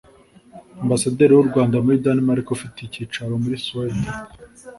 Ambasaderi w’u Rwanda muri Denmark ufite icyicaro muri Suwede